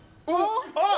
あっ！